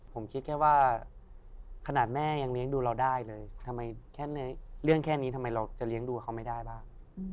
ผมคิดแค่ว่าขนาดแม่ยังเลี้ยงดูเราได้เลยทำไมแค่ในเรื่องแค่นี้ทำไมเราจะเลี้ยงดูเขาไม่ได้บ้าง